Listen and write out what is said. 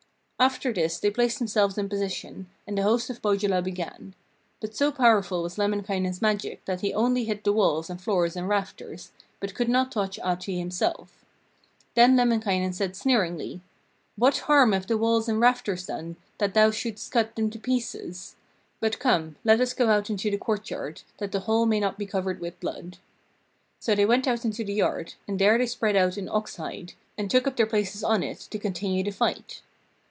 After this they placed themselves in position, and the host of Pohjola began. But so powerful was Lemminkainen's magic that he only hit the walls and floor and rafters, but could not touch Ahti himself. Then Lemminkainen said sneeringly: 'What harm have the walls and rafters done, that thou shouldst cut them to pieces. But come, let us go out into the courtyard, that the hall may not be covered with blood.' So they went out into the yard, and there they spread out an ox hide, and took up their places on it to continue the fight.